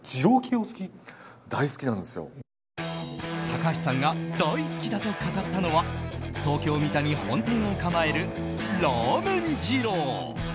高橋さんが大好きだと語ったのは東京・三田に本店を構えるラーメン二郎。